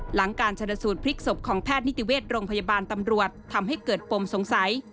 หลังการชนสูตรพลิกศพของแพทย์นิติเวชโรงพยาบาลตำรวจทำให้เกิดปมสงสัย